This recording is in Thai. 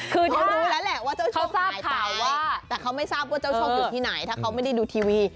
คือที่รู้แล้วแหละว่าเจ้าโชคเขาหายไปแต่เขาไม่ทราบว่าเจ้าโชคอยู่ที่ไหนถ้าเขาไม่ได้ดูทีวี